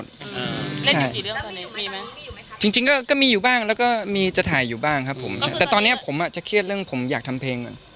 แสดงว่าเงินที่ได้จากตอนนี้คือค่าหนังร้วน